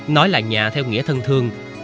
nói là nhà theo nghĩa thân thương